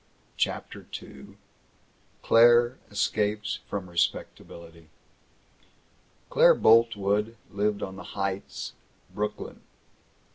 CHAPTER II CLAIRE ESCAPES FROM RESPECTABILITY Claire Boltwood lived on the Heights, Brooklyn.